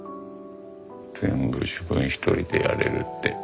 全部自分一人でやれるって。